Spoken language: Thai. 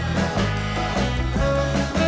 รับทราบ